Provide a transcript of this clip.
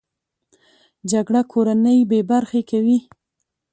جګړه کورنۍ بې برخې کوي